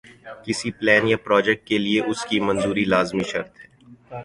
کسی پلان یا پراجیکٹ کے لئے اس کی منظوری لازمی شرط ہے۔